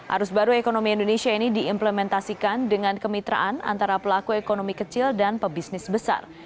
arus baru ekonomi indonesia ini diimplementasikan dengan kemitraan antara pelaku ekonomi kecil dan pebisnis besar